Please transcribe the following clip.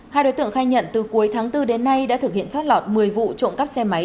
hai đối tượng khai nhận từ cuối tháng bốn đến nay đã thực hiện trót lọt một mươi vụ trộm cắp xe máy